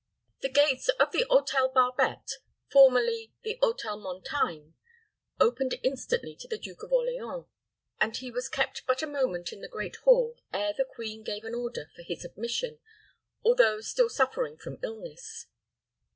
The gates of the Hôtel Barbette formerly the Hôtel Montaigne opened instantly to the Duke of Orleans, and he was kept but a moment in the great hall ere the queen gave an order for his admission, although still suffering from illness.